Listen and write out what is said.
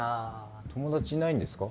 友達いないんですか？